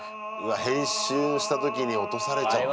編集した時に落とされちゃったのか。